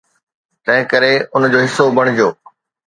تنهنڪري ان جو حصو بڻجو.